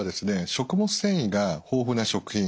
食物繊維が豊富な食品。